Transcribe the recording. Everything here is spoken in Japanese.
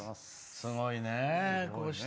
すごいね。